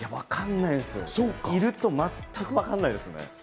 いると全くわかんないですね。